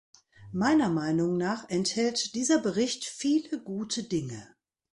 Meiner Meinung nach enthält dieser Bericht viele gute Dinge.